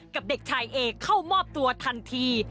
เด็กชายเอเข้ามอบตัวทันที